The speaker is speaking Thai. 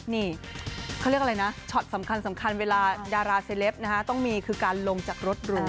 นี่เขาเรียกอะไรนะช็อตสำคัญเวลาดาราเซลปนะฮะต้องมีคือการลงจากรถหรู